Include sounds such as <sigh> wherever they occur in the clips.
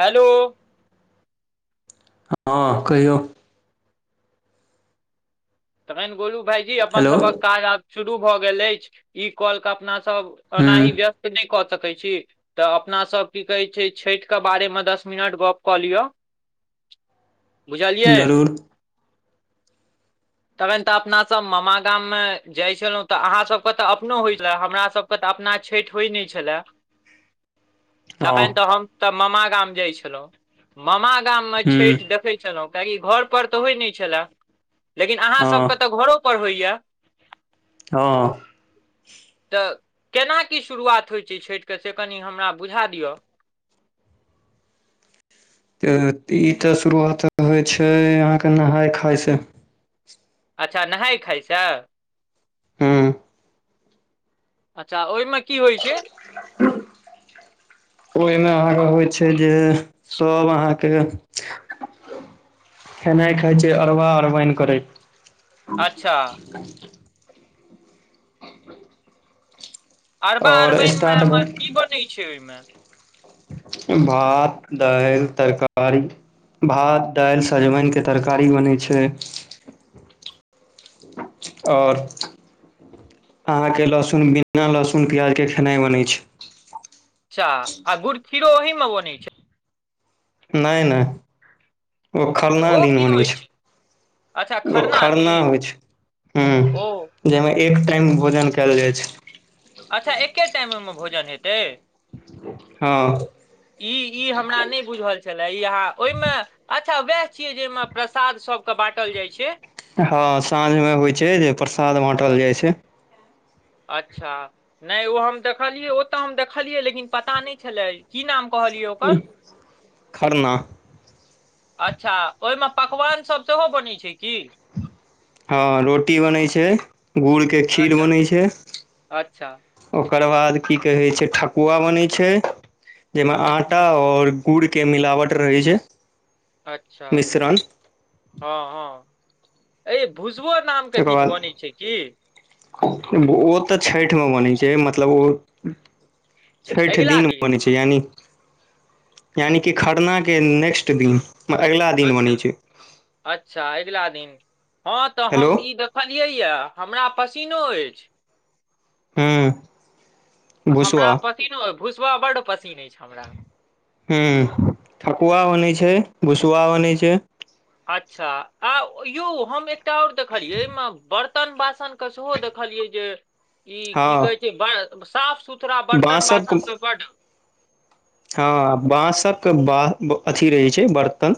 hello हँ कहियौ तखन गोलू भाायजी अपन हेलो सभक काज आब शुरू भऽ गेल अछि ई कौल के अपना सब ओनाहि हूँ व्यस्त नहि कऽ सकै छी तऽ अपनासभ की कहै छै छठिके बारेमे दस मिनट गप्प कऽ लिअ बुझलियै जरूर तखन तऽ अपना सब मामा गाम मे जाय छलहुँं तऽ अहाँ सभके तऽ अपनो होय छले हमरा सभ तऽ अपना छठि होय नहि छलए हँ तखन तऽ हम तऽ मामा गाम जाय छलहुँ मामा गाममे हूँ छठि देखैत छलहु कियाकि घर पर तऽ होय नहि छले लेकिन अहाँ सबके हँ तऽ घरो पर होइया हँ तऽ केना की शुरुआत होय छै छठिके से कनि हमरा बुझा दिअ तऽ ई तऽ शुरुआत होय छै अहाँके नहाय खाय से अच्छा नहााय खाायस हँ अच्छा ओहिमे की होइत छै ओइमे अहाँके होइ छै जे सब अहाँके खेनाइ खााय छै अरबा अरबाइन करे अच्छा कर <inaudible> अरबा आओर अरबइनमे स्टार्टमे की बनैत छै ओहिमे भात दाइल तरकारी भात दालि सजमनिके तरकारी बनै छै आओर अहाँके लहसुन बिना लहसुन प्याज के खेनाइ बनै छै अच्छा आ गुड़ खीरो अही में ब ने छै नहि नहि ओ तऽ खरना ओ दिन की बनै होइ छै अच्छा ओ खरना दिन होइ छै हूं ओ जहिमे एक टाइम भोजन कयल जाइ छै अच्छा एके टाइम ओहिमे भोजन हेतै हँ ई ई हमरा नइ बुझल छला ई अहां ओइमे अच्छा उएह छियै जैमे प्रसाद सबके बाँटल जाइ छै हँ साँझ मे होइ छै जे प्रसाद बाटल जाइ छै अच्छा नहि ओ हम देखलियै ओ तऽ हम देखलियै लेकिन पता नहि छलै की नाम कहलियै ओकर खरना अच्छा ओहिमे पकवानसभ सेहो बनैत छै की हँ रोटी बनै छै गुड़के खीर अच्छा बनै छै अच्छा ओकर बाद की कहैत छै ठकुआ बनैत छै जैमे आटा हूँ आओर गुड़ के मिलावट रहै छै अच्छा मिश्रण हँ हँ अ भूसबो नामके तकर किछु बाद बनैत छै की ओ तऽ छैठ मे बनै छै मतलब ओ छैठ दिन बनै छै यानी की‌ खरनाके नेक्स्ट दिन अगिला दिन बनै अच्छा छै अच्छा अगिला दिन हँ तऽ हेलो हम ई देख कहलियै य हमरा पसीनो अछि हँ हमरा पसिन भुसबा बड्ड पसिन अछि हमरा ह ठकुआ बनै छै भुसुआ बनै छै अच्छा आ यौ हम एकटा आओर देखलियै एहिमे बर्तन बासन कसहो देखलियै जे ई हँ की कहै छै ब साफ सुथड़ा बर्तन बाँसक बासन त बड हँ बांसक ब अथी रहे छै बर्तन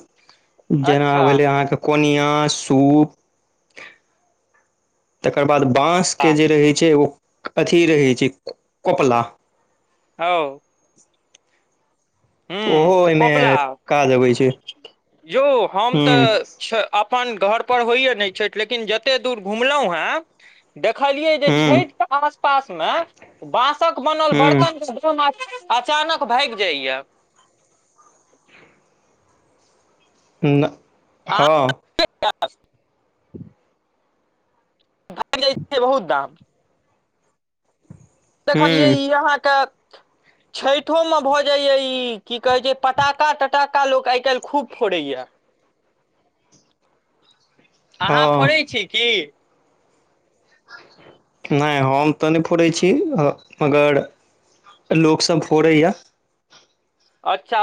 जेना अच्छा भेले अहाँके कोनिया सूप तकर बाद बाँसके जे रहैत छै ओ अथी रहैत छै कोपला अओ ह ओहो तऽ ओहिमे कोपला काज अबै छै यौ हम हूं तऽ छ अपन घरपर होइए नहि छथि लेकिन जतेक दूर घुमलहुँ हेँ देखलियै जे हूं छठ के आसपास में बांसक बनल हूं बर्तन अचानक भाइग जाइया नहि हँ च् भए जाइ छियै बहुत दाम हूं देखलियै इ अहाँके छठो मे भऽ जाइ या ई की कहै छै पटक्खा तटक्खा लोक आइकाल्हि खूब अ फ हँ छी नइ हम तऽ नहि फोड़ै छी मगर लोकस फोड़ैया अच्छा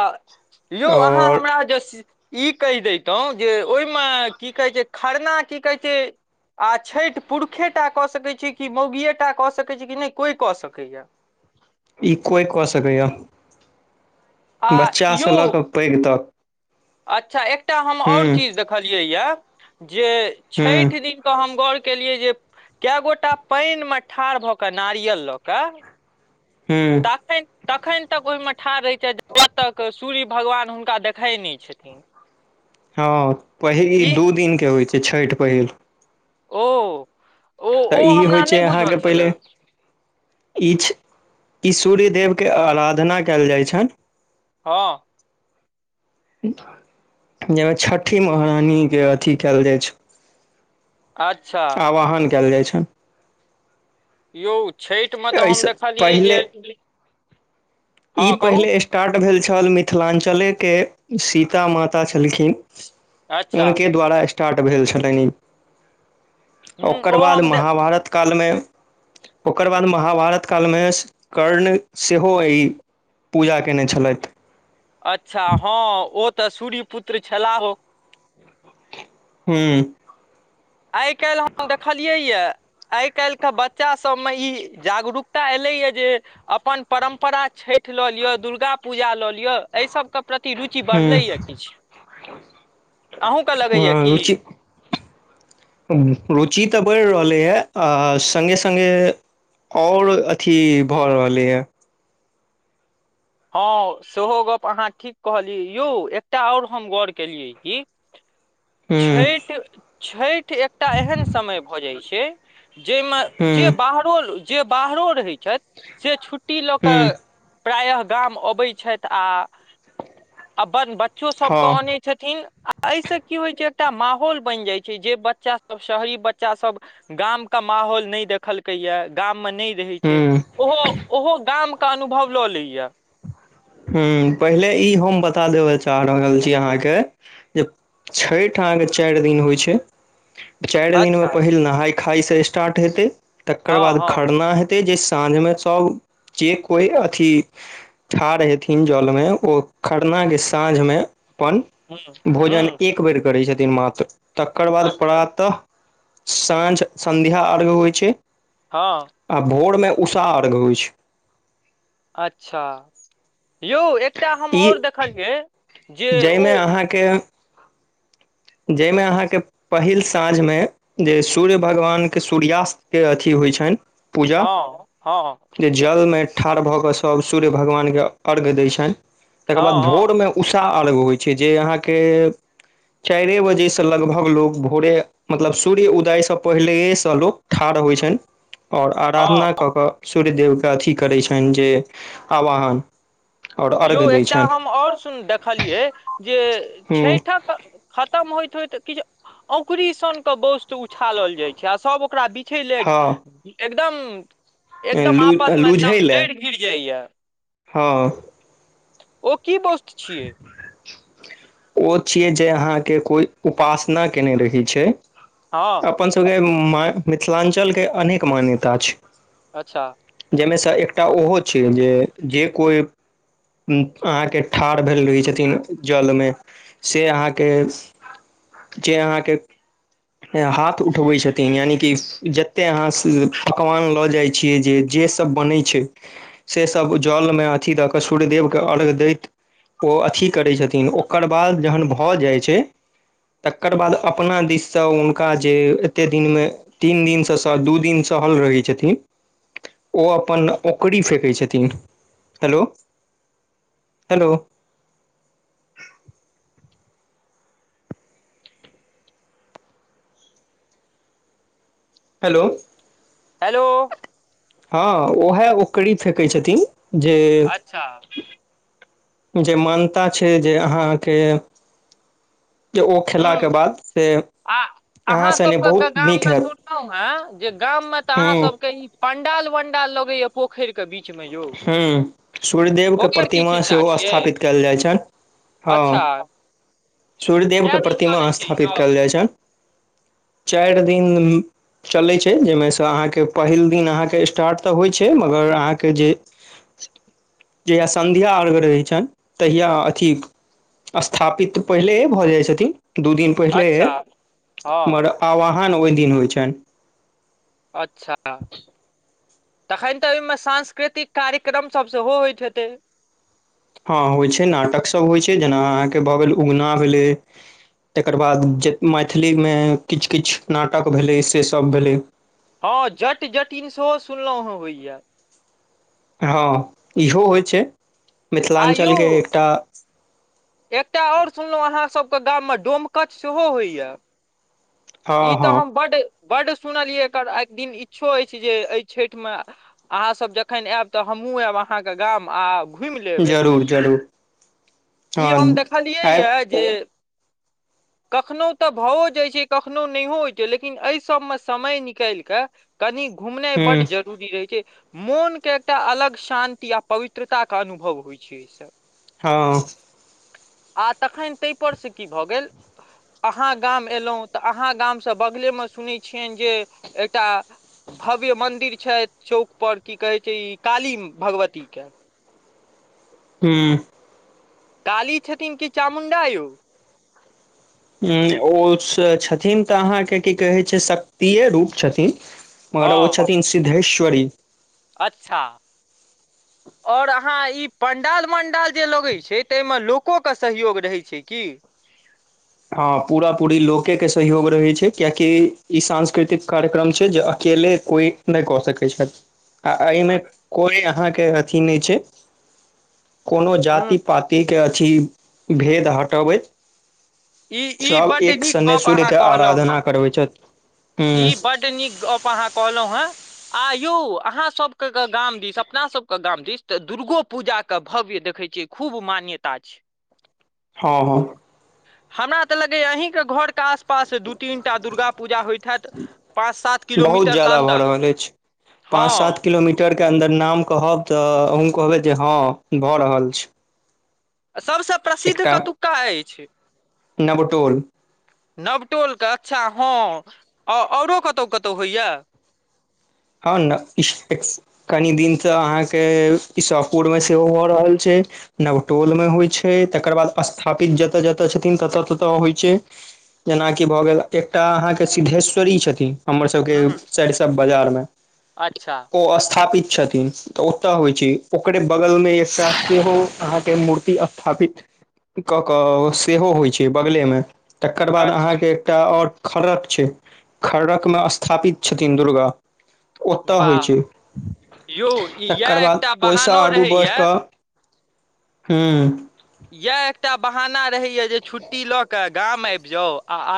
यउ अहाँ आओर हमरा जे ई कहि दैतहुँ जे ओहि में की कहै छै खरना की कहै छै आ छठि पुरुषेटा कऽ सकै छी कि मौगिए टा कऽ सकैत छी कि नहि कोइ कऽ सकैए इ कोइ कऽ सकैए आ यौ बच्चासे लऽ कऽ पैघ तक अच्छा एकटा हम ओर हूँ चीज देखलियै यए जे हूँ छठि दिन तऽ हम गौर केलियै जे कए गोटा पानि में ठाढ़ भऽ कऽ नारियल लऽ कऽ हूँ तख तखनि तक ओहि में ठाढ़ रहै छै ज तक सूर्य भगवान हुनका देखइ नहि छथिन हँ पहिल ई दू दिनके होइ छइ छठि पहिल ओ ओ तऽ ओ ई होइ हमरा नइ बुझल छलए ईछ ई सूर्य देेवके आराधना कयल जाइ छइन हँ जाहि में छठि महहारानी के अथी कयल जाइ छै अच्छा आवाहन कयल जाइ छइन यौ छठि में तऽ हम एहिसँ देखलियै पहिले जे ई हँ कहू पहिले स स्टार्ट भेल छल मिथिलाञ्चले के सीता माता छलखिन अच्छा हुनके द्वारा स्टार्ट भेल छलइन ई ह ओकर ओ बाद हम दे महाभारत कालमे ओकर बाद महाभारत कालमे कर्ण सेहो अइ पूजा कयने छलइथ अच्छा हँ ओ तऽ सूर्य पुत्र छलाहो हूँ आइ काल्हि हम देखलियै यै आइ काल्हिके बच्चासभ मे ई जागरूकता एलैए जे अपन परम्परा छैठ लऽ लिअ दुर्गा पूजा लऽ लिअ एहि सबके प्रति रुचि बढ़लैया हुं किछ अहूँके लगैया की रुचि रुचि तऽ बइढ़ रहलैएँ आ सङ्गे सङ्गे ओर अथी भए रहलेया हँ सेहो गप अहाँ ठीक कहली यौ एकटा ओर हम गौर केलियै क हुं छठि छठि एकटा एहन समय भऽ जाइत छै जाहि में हुं जे बाहरो जे बाहरो रहैत छथि से छुट्टी लऽ हुं कऽ प्रायः गाम अबै छैथ आ अपन बच्चो सब हँ केन आनेत छथिन आ एहिसँ की होइ छै एकटा माहौल बैन जाइ छै जे बच्चा सब शहरी बच्चा सब गाम के माहौल नाए देखलकै या गाम मे नाए रहै छै हुं ओहो ओहो गाम के अनुभव लऽ लैए ह पहिले ई हम बता देब चाह रहल छि अहाँके ज छैठअहाँके चार दिन होइ छै चार दिन में अच्छा पहिल नहाय खाय से स्टार्ट हेते तकर हँ बाद हँ खरना हेते ते जे साँझ मे सब जे कोइ अथी ठाढ़ हेतै थिन जलमे ओ खरना के साँझमे अपन हुँ भोजन हुँ एक बेर करै छथिन मात्र तकर बाद अच्छा प्रातः साँझ सन्ध्या अर्ध्य होइत छै हँ आ भोर मे उषा अर्घ्य होइ छै अच्छ यौ एकटा हम छै और ई देखलियै जे ओ जाहिमे अहाँके जाहिमे अहाँके पहिल साँझमे जे सूर्य भगवानके सूर्यास्तके अथी होइत छन पूजा हँ हँ जे जलमे ठाढ़ भऽ कऽ सभ सूर्य भगवानके अर्घ्य दै छैन तकर हँ बाद हँ भोरमे उषा अर्घ्य होइ छै जे अहाँके चारे बजे से लग्भाग लोग भोरे मतलब सूर्य उदयसँ पहिलेहेसँ लोक ठाढ़ होइत छैन और हँ आराधना कऽ कऽ सूर्य देेवके अथी करैत छैन जे आवाहन आओर यौ अर्घ्य दै एकटा छनि हम ओर सुन देखलियै जे हुँ छैठक खतम होइत होइत किछ औकुरी सन के वस्तु उछालल जाइ छै आ सब ओकरा बिछै ले हँ एकदम एकदम लू आपसमे लूझै एकदम लए लेड़ गिर जाइया हँ ओ की बस्तु छिय ओ छिये जे अहाँके कोई उपासना केने रही छै हँ अपन सभके मिथिलांचल अनेक मान्यता छै अच्छ जाहिमे सँ एकटा ओहो छै जे जे कोइ अहाँके ठाढ़ भेल रहै छथिन जल्मे से अहाँके जे अहाँके हाथ उठबै छथिन यानि कि जते अहाँ पकवान लऽ जाइ छियै जे जे सब बनै छै से सब जलमे अथी दऽ कऽ सूर्यदेवके अर्घ्य दैत ओ अथी करैत छथिन ओकर बाद जहन भऽ जाइत छै तकर बाद अपना दिससँ हुनका जे एते दिनमे तीन दिनसँ स दु दिन सहल रहैत छथिन ओ अपन ओकरी फेेकै छथिन हेलो हेलो हेलो हेलो हँ उएह ओकरी फेकै छथिन जे अच्छा <unintelligible> जे मान्यता छै जे अहाँके जे ओ खेलाके हुँ बाद से आ अहाँ सने सबके बहुत गाम नीक में हैत सुनलहु हे जे गाम में तऽ अहाँ हूँ सबके ई पंडाल वंडाल लगैया पोखरे बीचमें यौ हूँ सूर्यदेवके ओकर की प्रतिमा खिस्सा सेहो छिय स्थापित कयल जाइ अच्छा सूर्यदेव के कए दिन प्रतिमा चलै छै ई स्थापित कयल सब जाइत छै <inaudible> चाइर दिन चलैत छै जाहिमे सँ अहाँके पहिल दिन अहाँके स्टार्ट तऽ होइत छै मगर अहाँके जे आ जहिया संध्या अर्घ रहै छइन तहिया अथी स्थापित पहिले भऽ जाइ छथिन दू दिन पहिले अच्छा हँ हमर आवाहान ओहि दिन होइत छइन अच्छा तखन तऽ ओहि में सांस्कृतिक कार्यक्रमसभ सेहो होइत हेतै हँ होइ छै नाटकसभ होइ छै जेना अहाँके भऽ गेल उगना भेलै तकर बाद जे मैथिलीमें किछु किछु नाटक भेलै से सब भेलै हँ जट जटिन सेहो सुनलहुँ हँ होइए हँ इहो होइ छइ आयो एकटा ओर सुनलहुँ अहाँ सभके गाममे डोमकछ सेहो होइया हँ इ तऽ हम हँ बड बड्ड सुनलियै एकर एक दिन इच्छो अछि जे एहि छैठ में अहाँ सब जखन एब तऽ हमहुँ आयब अहाँ के गाम आ घुमि ले हमल जरूर जरूर हँ आब कखनहुँ तऽ भओओ जाइत छै कखनो नहिओ होइत छै लेकिन एहि सभमे समय निकाल कऽ कनि घुमनाइ बड्ड हूँ जरुरी रहै छै मोन के एकटा अलग शान्ति आ पवित्रता के अनुभव होइ छै अच सब हं आ तखन तहिपर से की भऽ गेल अहाँ गाम एयलहुँ तऽ अहाँ गामसँ बगलेमे सुनै छियन जे एकटा भव्य मन्दिर छइ चौकपर की कहैत छै ई काली भगवतीके हं हूँ काली छथिन की चामुण्डा यउ ऊ ओ छथिन तऽ अहाँके की कहै छै शक्तिए रूप छथिन मगर ओ हँ छथिन सिद्धेश्वरी अच्छा ओर अहाँ ई पण्डाल मण्डाल जे लगैत छै ताहिमे लोकोके सहयोग रहैत छै की हँ पूरा पूरी लोके के सहयोग रहै छै कियाकि ई सांस्कृतिक कार्यक्रम छै जे अकेले कोइ नइ कऽ सकै छै आ एहिमें कोई अहाँके अथी नहि छै कोनो ह जाति पति क अछि भेद हटबैत ई ई सब बड्ड एक नीक शने गप अहाँ सूर्यके कहलहुँ हेँ आराधना करबै छथि हूँ ई बड नीक गप अहाँ कहलहुं हैं आ यौ अहाँसभके गाम दिस अपनासभके गाम दिस तऽ दुर्गो पूजाके भव्य देखै छियै खूब मान्यता छै हँ हँ हमरा तऽ लगैया अहीके घरके आसपास दू तीन टा दुर्गा पूजा होइत हेएत पाँच सात बहुत किलोमीटर के ज्यादा भऽ अन्दर रहल अछि पाँच सात हँ किलोमीटर के अन्दर नाम कहब तऽ अहु कहबै जे हँ भऽ रहल छै सभसँ प्रसिद्ध एकटा कतुक्का अछि नवटोल नवटोलके अच्छा हँ औरो कतहु कतहु होइए हँ नहि इस <unintelligible> कनि दिन स अहाँके ईशपुर मे सेहो भ रहल छै नवटोलमे होइ छै तकर बाद स्थापित जतय जतय छथिन ततऽ ततऽ होइ छै जेनाकि भए गेल एकटा अहाँके सिद्धेश्वरी छथिन हमर सबके सरिसब बजार मे अच्छा ओ स्थापित छथिन तऽ ओतय होइ छै ओकरे बगल मे एकटा सेहो अहाँके मूर्ति स्थापित कऽ कऽ सेहो होइ छै बगलेमे तकर बाद अच्छा अहाँके एकटा आओर खर्रक छै खर्रक मे स्थापित छथिन दुर्गा ओतय होइ वाह छै यौ इएह तकर बाद एकटा ओहिसँ बहानो आगू बढ़ रहैया कऽ हू इएह एकटा बहाना रहैए जे छुट्टी लऽ कऽ गाम आबि जाउ आ आ